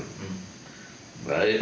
baik pada struktur vertikal